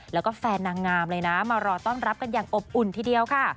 แล้วก็แฟนนางงามเลยนะมารอต้อนรับกันอย่างอบอุ่นทีเดียวค่ะ